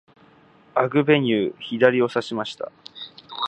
アグベニュー、左をさしました。